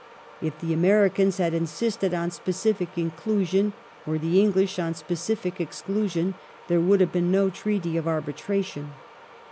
If the Americans had insisted on specific inclusion, or the English on specific exclusion, there would have been no treaty of arbitration.